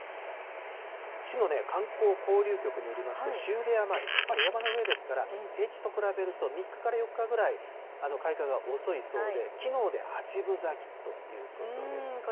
市の観光交流局によりますと、紫雲出山、やっぱり山の上ですから平地と比べると３日から４日ぐらい、開花が遅いそうで、きのうで８分咲きということです。